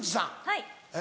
はい。